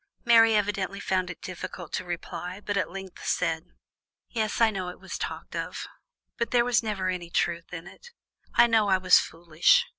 Mary evidently found it difficult to reply, but at length said: "Yes, I know it was talked of, but there was never any truth in it. I know I was foolish.